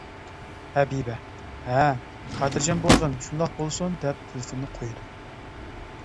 ھەبىبە: ھە، خاتىرجەم بولغىن شۇنداق بولسۇن دەپ تېلېفوننى قويىدۇ.